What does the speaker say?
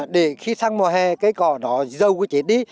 để khi sang mùa hè cây cọ nó dâu cái chết đi